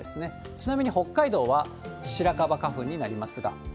ちなみに北海道は、シラカバ花粉になりますが。